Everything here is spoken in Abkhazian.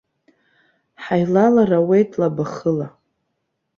Ҳаилалар ауеит лабахыла.